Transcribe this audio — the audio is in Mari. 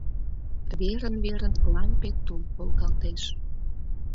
Верын-верын лампе тул волгалтеш.